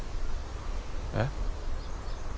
えっ？